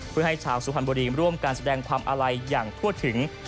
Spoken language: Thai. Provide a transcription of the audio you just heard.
เพื่อให้ชาวสุพรรณบุรีร่วมการแสดงความอาลัยอย่างทั่วถึง